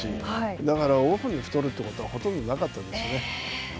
だから、オフに太るということはほとんどなかったですね。